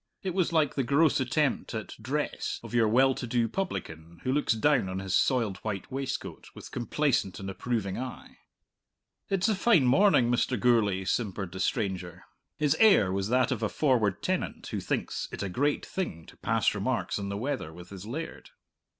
It was like the gross attempt at dress of your well to do publican who looks down on his soiled white waistcoat with complacent and approving eye. "It's a fine morning, Mr. Gourlay," simpered the stranger. His air was that of a forward tenant who thinks it a great thing to pass remarks on the weather with his laird.